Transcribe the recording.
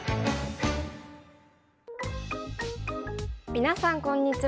皆さんこんにちは。